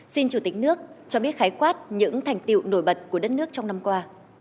xin chủ tịch nước cho biết khái quát những thành tiệu nổi bật của đất nước trong năm qua